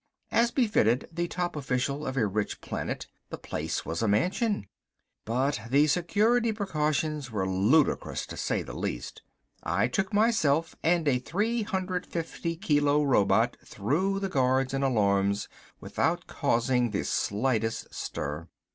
As befitted the top official of a rich planet, the place was a mansion. But the security precautions were ludicrous to say the least. I took myself and a three hundred fifty kilo robot through the guards and alarms without causing the slightest stir.